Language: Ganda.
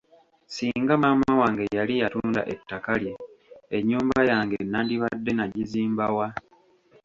Singa maama wange yali yatunda ettaka lye, ennyumba yange nandibadde nagizimba wa?